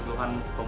ngapain sih bang